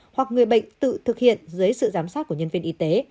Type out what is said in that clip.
hoặc người bệnh tự thực hiện dưới sự giám sát của nhân viên y tế